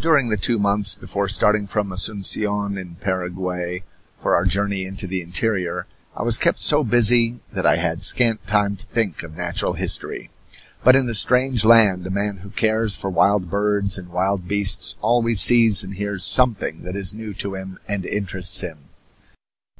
During the two months before starting from Asuncion, in Paraguay, for our journey into the interior, I was kept so busy that I had scant time to think of natural history. But in a strange land a man who cares for wild birds and wild beasts always sees and hears something that is new to him and interests him.